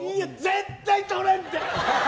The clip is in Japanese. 絶対とれんって！